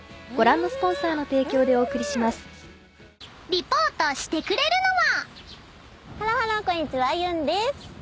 ［リポートしてくれるのは］